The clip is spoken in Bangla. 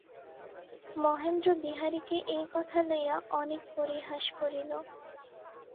মহেন্দ্র বিহারীকে এই কথা লইয়া অনেক পরিহাস করিল।